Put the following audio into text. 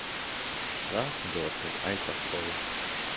Die Straßen dort sind einfach voll.